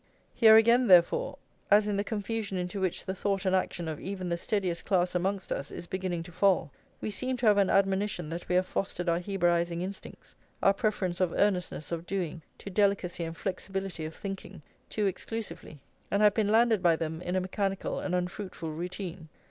Here again, therefore, as in the confusion into which the thought and action of even the steadiest class amongst us is beginning to fall, we seem to have an admonition that we have fostered our Hebraising instincts, our preference of earnestness of doing to delicacy and flexibility of thinking, too exclusively, and have been landed by them in a mechanical and unfruitful routine.